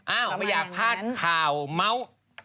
ไม่อยากพลาดข่าวเมาส์